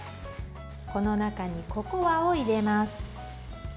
この中にココアを入れます。